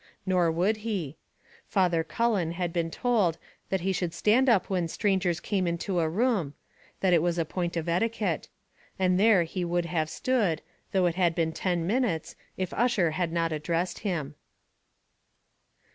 Nor would he. Father Cullen had been told that he should stand up when strangers came into a room, that it was a point of etiquette; and there he would have stood, though it had been ten minutes, if Ussher had not addressed him.